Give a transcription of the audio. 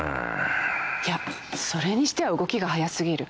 いやそれにしては動きが早すぎる。